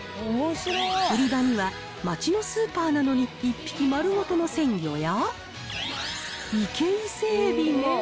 売り場には町のスーパーなのに、１匹丸ごとの鮮魚や、生け伊勢エビも。